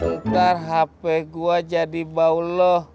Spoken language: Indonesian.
ntar hp gue jadi bauloh